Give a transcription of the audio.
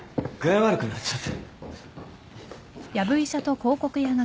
悪くなっちゃって。